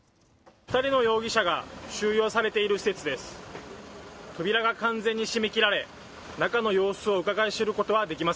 ２人の容疑者が収容されている施設です。